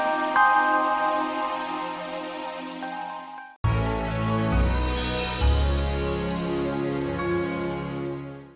lora jangan lancang kamu ya